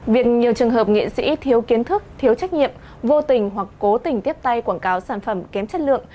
việc nhiều trường hợp nghệ sĩ thiếu kiến thức thiếu trách nhiệm vô tình hoặc cố tình tiếp tay quảng cáo sản phẩm kém chất lượng